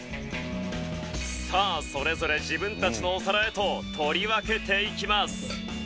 さあそれぞれ自分たちのお皿へと取り分けていきます。